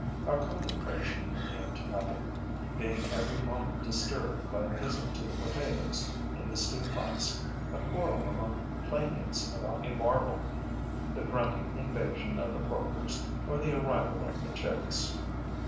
Our contemplation came to nothing, being every moment disturbed by a visit to the potatoes in the stew pots, a quarrel among playmates about a marble, the grunting invasion of the porkers or the arrival of the chicks.